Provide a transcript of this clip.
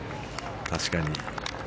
確かに。